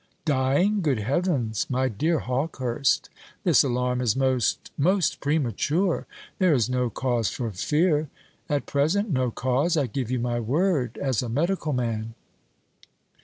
"Dying! Good heavens! my dear Hawkehurst, this alarm is most most premature. There is no cause for fear at present, no cause I give you my word as a medical man."